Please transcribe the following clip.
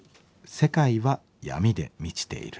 「世界は闇で満ちている」。